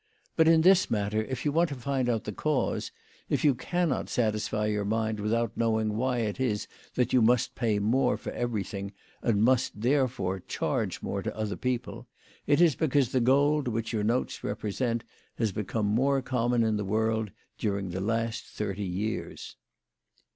But, in this matter, if you want to find out the cause, if you cannot satisfy your mind without knowicg why it is that you must pay more for everything, and must, therefore, charge more to other people, it is because the gold which your notes represent has become more common in the world during the last thirty years."